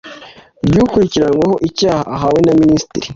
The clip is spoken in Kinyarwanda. ry ukurikiranyweho icyaha ahawe na minisitiri